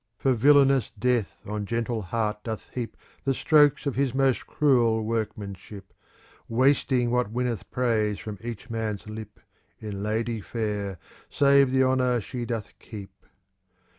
For villainous Death on gentle heart doth heap ^ The strokes of his most cruel workmanship, Wasting what winneth praise from each man's lip. In lady fair, save th' honour she doth keep.